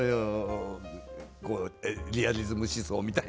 こうリアリズム思想みたいな。